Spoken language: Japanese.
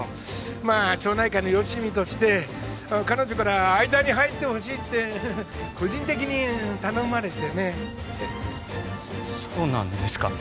まあ町内会のよしみとして彼女から間に入ってほしいって個人的に頼まれてねそうなんですか？